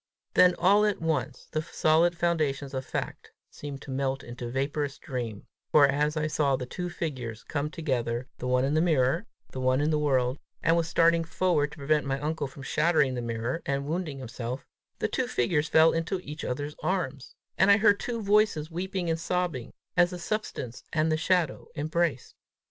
Then all at once the solid foundations of fact seemed to melt into vaporous dream, for as I saw the two figures come together, the one in the mirror, the other in the world, and was starting forward to prevent my uncle from shattering the mirror and wounding himself, the figures fell into each other's arms, and I heard two voices weeping and sobbing, as the substance and the shadow embraced.